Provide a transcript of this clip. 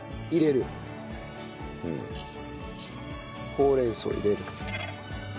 ほうれん草を入れる。